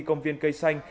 công viên cây xanh